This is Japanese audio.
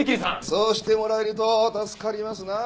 そうしてもらえると助かりますなあ。